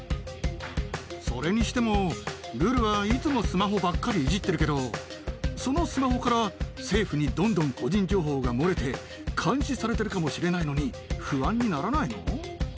それにしても、ルルはいつもスマホばっかりいじってるけど、そのスマホから政府にどんどん個人情報が漏れて、監視されてるかもしれないのに、不安にならないの？